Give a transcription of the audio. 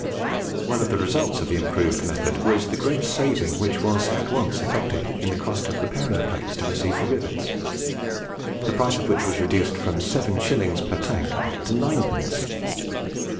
One of the results of the improved method was the great saving which was at once effected in the cost of preparing the plates to receive the rivets, the price of which was reduced from seven shillings per tank to ninepence.